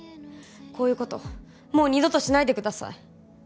こういうこともう二度としないでください